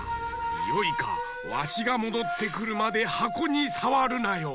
よいかわしがもどってくるまではこにさわるなよ。